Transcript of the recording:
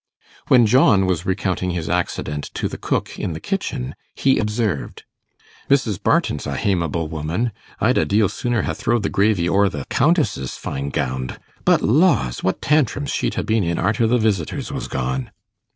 When John was recounting his accident to the cook in the kitchen, he observed, 'Mrs. Barton's a hamable woman; I'd a deal sooner ha' throwed the gravy o'er the Countess's fine gownd. But laws! what tantrums she'd ha' been in arter the visitors was gone.